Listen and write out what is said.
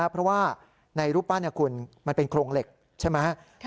เพราะว่าในรูปปั้นคุณมันเป็นโครงเหล็กใช่ไหม